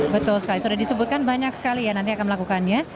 betul sekali sudah disebutkan banyak sekali ya nanti akan melakukannya